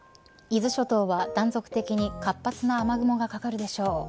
伊豆諸島は断続的に活発な雨雲がかかるでしょう。